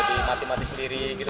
jadinya jadi mati mati sendiri gitu